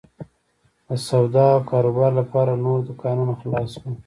د سودا او کاروبار لپاره نور دوکانونه خلاص شول.